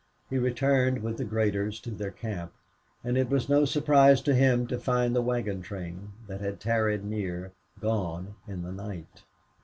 He returned with the graders to their camp; and it was no surprise to him to find the wagon train, that had tarried near, gone in the night.